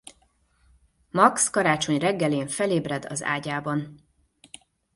Max karácsony reggelén felébred az ágyában.